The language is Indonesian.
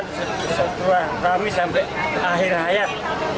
kesatuan ramis sampai akhir hayat